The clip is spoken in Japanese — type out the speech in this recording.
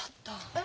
え？